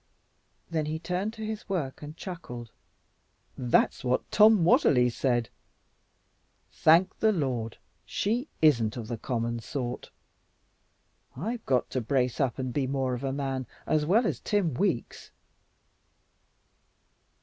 Then he turned to his work and chuckled, "That's what Tom Watterly said. Thank the Lord! She ISN'T of the common sort. I've got to brace up and be more of a man as well as Tim Weeks."